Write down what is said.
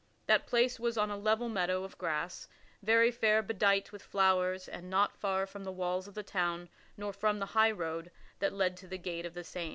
That place was on a level meadow of grass very fair bedight with flowers and not far from the walls of the town nor from the high road that led to the gate of the same.